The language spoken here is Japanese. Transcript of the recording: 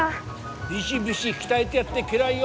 ビシビシ鍛えでやってけらいよ！